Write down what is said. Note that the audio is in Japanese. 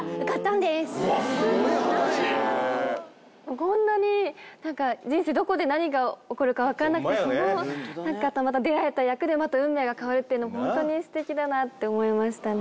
こんなになんか人生どこで何が起こるかわからなくて出会えた役でまた運命が変わるっていうのも本当に素敵だなって思いましたね。